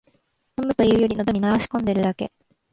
飲むというより、のどに流し込んでるだけ